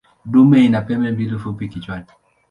Dume ina pembe mbili fupi kichwani.